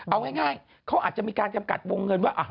เอาง่ายเขาอาจจะมีการจำกัดวงเงินว่า